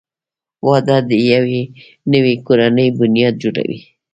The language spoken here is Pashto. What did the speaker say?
• واده د یوې نوې کورنۍ بنیاد جوړوي.